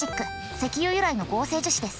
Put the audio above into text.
石油由来の合成樹脂です。